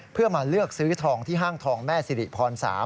เพื่อมาเลือกซื้อทองที่ห้างทองแม่สิริพร๓